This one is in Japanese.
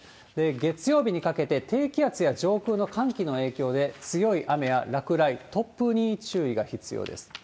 月曜日にかけて低気圧や上空の寒気の影響で、強い雨や落雷、突風に注意が必要です。